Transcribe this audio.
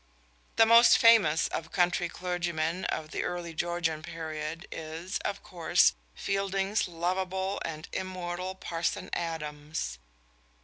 The most famous of country clergymen of the early Georgian period is, of course, Fielding's lovable and immortal Parson Adams.